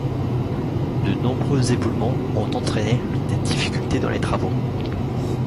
De nombreux éboulements ont entraîné des difficultés dans les travaux.